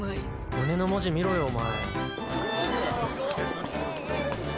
胸の文字見ろよお前。